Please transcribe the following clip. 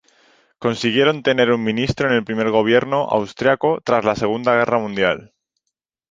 Consiguieron tener un ministro en el primer gobierno austriaco tras la Segunda Guerra Mundial.